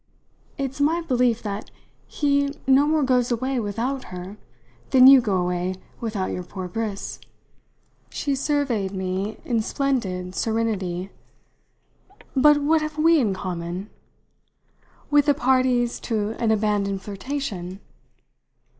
"It's my belief that he no more goes away without her than you go away without poor Briss." She surveyed me in splendid serenity. "But what have we in common?" "With the parties to an abandoned flirtation?